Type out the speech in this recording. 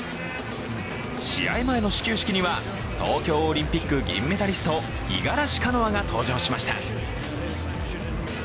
試合前の始球式には東京オリンピック銀メダリスト、五十嵐カノアが登場しました。